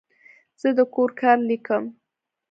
زه د کور کار لیکم.